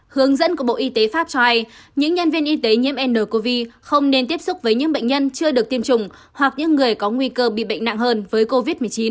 hướng dẫn của bộ y tế pháp cho hay những nhân viên y tế nhiễm ncov không nên tiếp xúc với những bệnh nhân chưa được tiêm chủng hoặc những người có nguy cơ bị bệnh nặng hơn với covid một mươi chín